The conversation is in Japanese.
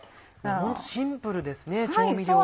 ホントシンプルですね調味料は。